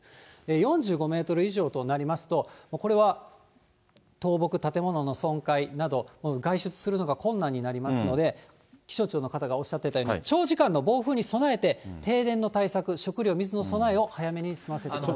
４５メートル以上となりますと、これは倒木、建物の損壊など、外出するのが困難になりますので、気象庁の方がおっしゃっていたように、長時間の暴風に備えて、停電の対策、食料、水の備えを早めに済ませてください。